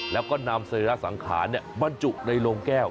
แล้วก็นำสรีระสังขารบรรจุในโรงแก้ว